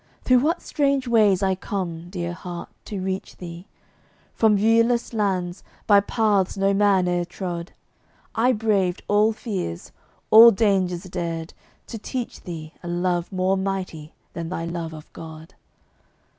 Through what strange ways I come, dear heart, to reach thee, From viewless lands, by paths no man e'er trod! I braved all fears, all dangers dared, to teach thee A love more mighty than thy love of God.